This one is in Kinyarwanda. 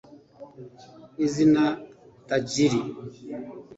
Izina ‘Tajiri’